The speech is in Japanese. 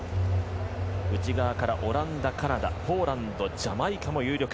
内側からオランダ、カナダ、ポーランドジャマイカも有力。